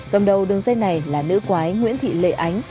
cầm đầu đường dây này là nữ quái nguyễn thị lệ ánh